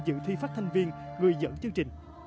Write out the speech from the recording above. dự thi phát thanh viên người dẫn chương trình